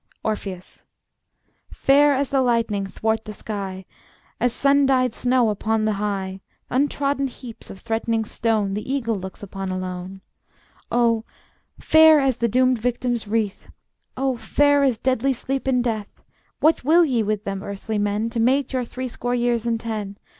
Orpheus: Fair as the lightning 'thwart the sky, As sun dyed snow upon the high Untrodden heaps of threatening stone The eagle looks upon alone, Oh, fair as the doomed victim's wreath, Oh, fair as deadly sleep and death, What will ye with them, earthly men, To mate your threescore years and ten?